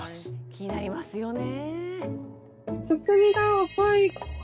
気になりますよね。